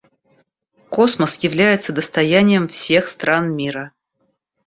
Космос является достоянием всех стран мира.